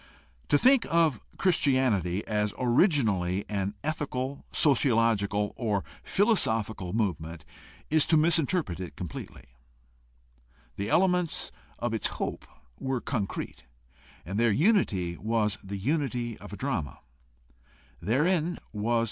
To think of Christianity as originally an ethical, sociological, or philosophical movement is to misinterpret it completely. The elements of its hope were concrete and their unity was the unity of a drama. Therein was Christian theology in outline.